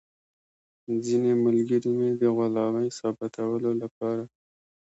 ځینې ملګري مې د غلامۍ ثابتولو لپاره.